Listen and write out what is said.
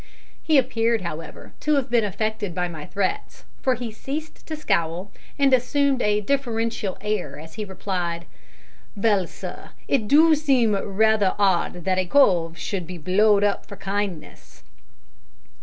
He appeared, however, to have been affected by my threats, for he ceased to scowl, and assumed a deferential air as he replied, "Vell, sir, it do seem raither 'ard that a cove should be blowed up for kindness."